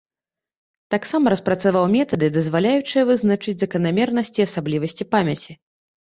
Таксама распрацаваў метады, дазваляючыя вызначыць заканамернасці і асаблівасці памяці.